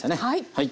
はい。